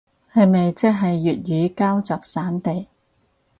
係咪即係粵語膠集散地